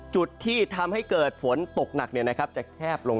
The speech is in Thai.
จุดที่ทำให้เกิดฝนตกหนักจะแคบลง